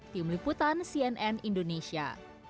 tim liputan cnn indonesia